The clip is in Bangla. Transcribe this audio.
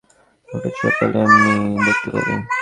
একটু চাপলে আমি দেখতে পারি।